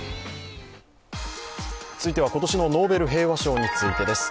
続いては今年のノーベル平和賞についてです